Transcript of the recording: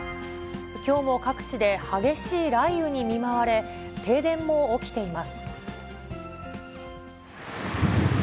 きょうも各地で激しい雷雨に見舞われ、停電も起きています。